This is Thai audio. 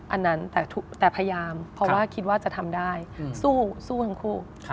อันนั้นแต่พยายามเพราะว่าคิดว่าจะทำได้สู้ทั้งคู่